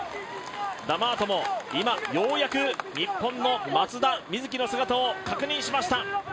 ダマートも今、ようやく日本の松田瑞生の姿を確認しました。